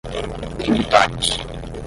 tributários